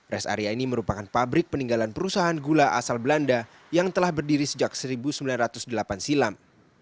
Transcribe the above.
res area ini merupakan pabrik peninggalan perusahaan gula asal belanda yang telah berdiri sejak seribu sembilan ratus delapan silam